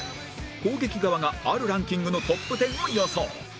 攻撃側があるランキングのトップ１０を予想